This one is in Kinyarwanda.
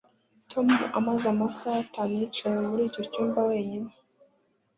Tom amaze amasaha atanu yicaye muri icyo cyumba wenyine